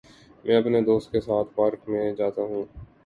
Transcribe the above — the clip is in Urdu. میں اپنے دوست کے ساتھ پارک میں جاتا ہوں۔